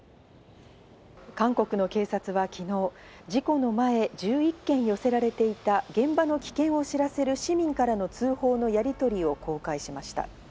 韓国の警察は昨日、事故の前、１１件寄せられていた現場の危険を知らせる市民からの通報のやりとりを公開しました。